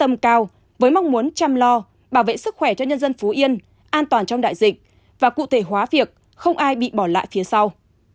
tâm cao với mong muốn chăm lo bảo vệ sức khỏe cho nhân dân phú yên an toàn trong đại dịch và cụ thể hóa việc không ai bị bỏ lại phía sau